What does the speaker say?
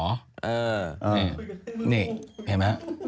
ห้ะนี่ได้มะ